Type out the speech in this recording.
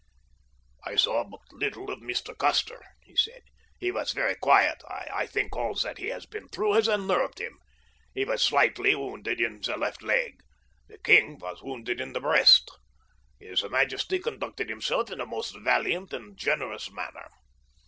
"I saw but little of Mr. Custer," he said. "He was very quiet. I think all that he has been through has unnerved him. He was slightly wounded in the left leg. The king was wounded in the breast. His majesty conducted himself in a most valiant and generous manner.